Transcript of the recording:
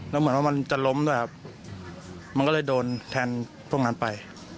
แล้วเหมือนว่ามันจะล้มด้วยครับมันก็เลยโดนแทนพวกนั้นไป